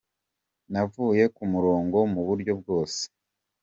Navuye ku murongo mu buryo bwose.